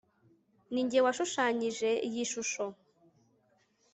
ninjye washushanyije iyi shusho